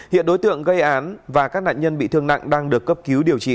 hiện đối tượng gây án và các nạn nhân bị thương nặng đang được cấp cứu điều trị